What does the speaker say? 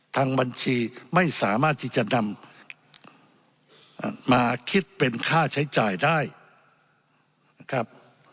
ทางบัญชีไม่สามารถที่จะนำมาคิดเป็นค่าใช้จ่ายได้นะครับ